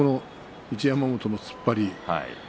一山本の突っ張り。